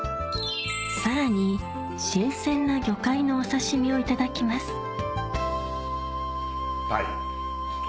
さらに新鮮な魚介のお刺し身をいただきます鯛！